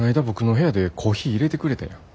僕の部屋でコーヒーいれてくれたやん。